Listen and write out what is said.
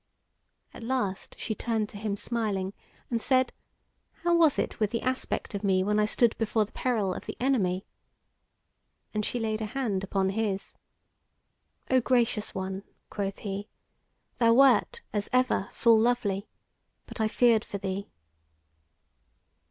At last she turned to him smiling, and said: "How was it with the aspect of me when I stood before the peril of the Enemy?" And she laid a hand upon his. "O gracious one," quoth he, "thou wert, as ever, full lovely, but I feared for thee."